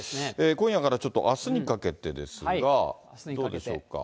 今夜からちょっとあすにかけてですが、どうでしょうか。